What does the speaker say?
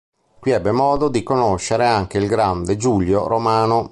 Qui ebbe modo di conoscere anche il grande Giulio Romano.